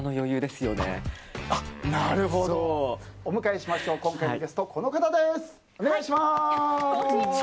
お迎えしましょう、今回のゲストこの方です。